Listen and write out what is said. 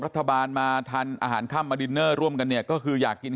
รัฐบาลมาทานอาหารค่ำมาดินเนอร์ร่วมกันเนี่ยก็คืออยากกิน